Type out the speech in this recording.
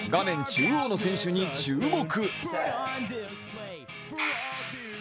中央の選手に注目。